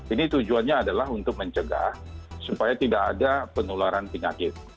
ini tujuannya adalah untuk mencegah supaya tidak ada penularan penyakit